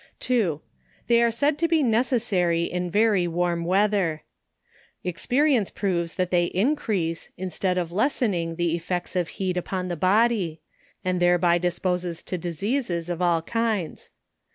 2. They are said to be necessary in very warm weather. Experience proves that they increase, instead of lessening the effects of heat upon the body, and thereby dispose to diseases of all kinds.